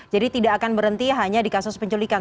jadi tidak akan berhenti hanya di kasus penculikan